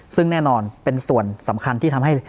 ซึ่งแน่นอนเป็นส่วนสำคัญที่ทำให้